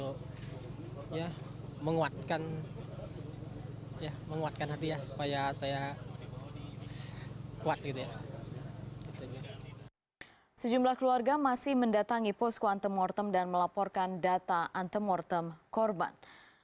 keluarga masih mendatangi pos kuantum mortem dan melaporkan data antum mortem korban